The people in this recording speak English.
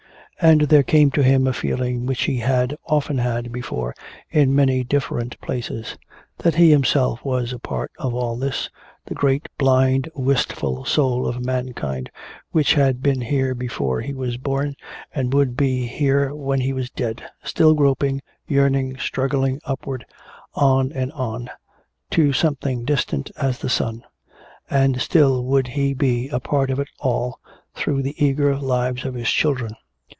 And there came to him a feeling which he had often had before in many different places that he himself was a part of all this, the great, blind, wistful soul of mankind, which had been here before he was born and would be here when he was dead still groping, yearning, struggling upward, on and on to something distant as the sun. And still would he be a part of it all, through the eager lives of his children.